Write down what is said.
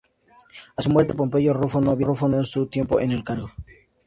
A su muerte, Pompeyo Rufo no había terminado su tiempo en el cargo.